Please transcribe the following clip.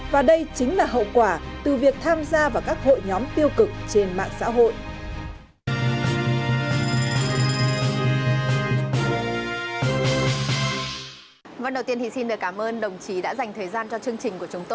và đây chính là hậu quả từ việc tham gia vào các hội nhóm tiêu cực trên mạng xã hội